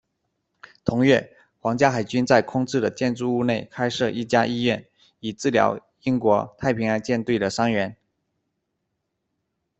同月，皇家海军在空置的建筑物内开设了一家医院，以治疗英国太平洋舰队的伤员。